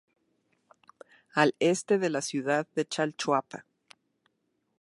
Al este de la ciudad de Chalchuapa.